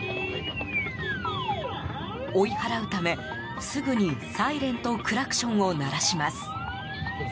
追い払うため、すぐにサイレンとクラクションを鳴らします。